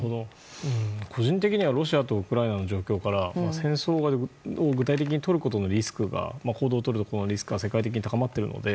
個人的にはロシアとウクライナの状況から戦争行動を具体的にとるリスクが世界的に高まっているので。